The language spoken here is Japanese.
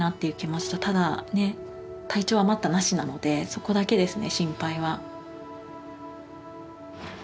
そこだけですね心配は。